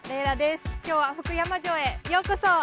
今日は福山城へようこそ！